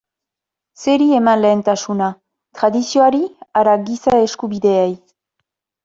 Zeri eman lehentasuna, tradizioari ala giza eskubideei?